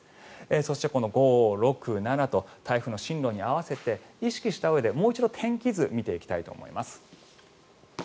そして５、６、７と台風の進路に合わせて意識したうえでもう一度天気図を見ていきたいと思います。